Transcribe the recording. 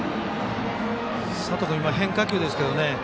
佐藤君、変化球ですけどね。